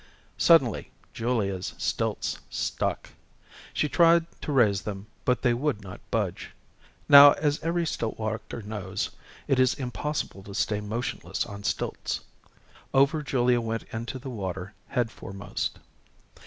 Suddenly Julia's stilts stuck. She tried to raise them, but they would not budge. Now, as every stilt walker knows, it is impossible to stay motionless on stilts. Over Julia went into the water, headforemost.